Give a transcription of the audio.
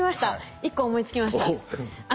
１個思いつきました。